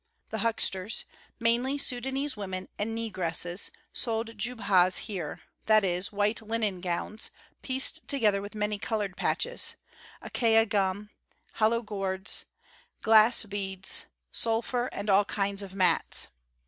The hucksters, mainly Sudânese women and negresses, sold jubhas here, that is, white linen gowns, pieced together with many colored patches, acacia gum, hollow gourds, glass beads, sulphur and all kinds of mats.